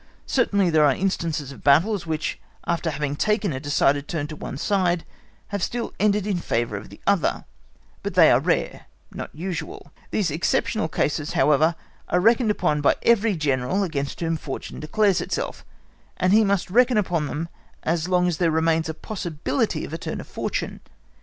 Certainly there are instances of battles which after having taken a decided turn to one side have still ended in favour of the other; but they are rare, not usual; these exceptional cases, however, are reckoned upon by every General against whom fortune declares itself, and he must reckon upon them as long as there remains a possibility of a turn of fortune.